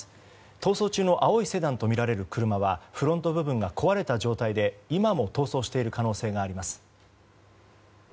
逃走中の青いセダンとみられる車はフロント部分が壊れた状態で今も逃走している可能性があります。